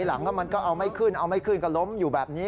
หลังมันก็เอาไม่ขึ้นเอาไม่ขึ้นก็ล้มอยู่แบบนี้